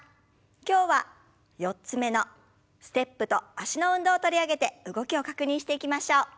今日は４つ目のステップと脚の運動を取り上げて動きを確認していきましょう。